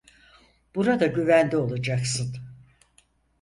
Burada güvende olacaksın.